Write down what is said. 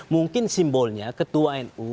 mungkin simbolnya ketua nu